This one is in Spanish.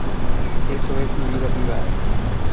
eso es mi vida privada.